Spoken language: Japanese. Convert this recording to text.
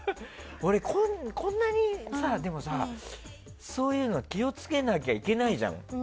こんなにそういうの気をつけなきゃいけないじゃん。